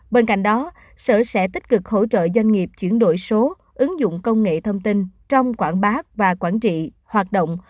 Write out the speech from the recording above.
bên cạnh đó sở sẽ tích cực hỗ trợ doanh nghiệp chuyển đổi số ứng dụng công nghệ thông tin trong quảng bá và quản trị hoạt động